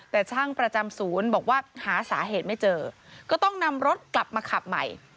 แต่ช่างประจำศูนย์บอกว่าหาสาเหตุไม่เจอก็ต้องนำรถกลับมาขับใหม่